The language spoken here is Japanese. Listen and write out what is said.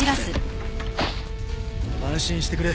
安心してくれ。